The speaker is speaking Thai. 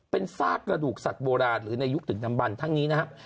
เป็นซากกระดูกสัตว์โบราณหรือในยุคถึงดำบันทั้งนี้นะครับ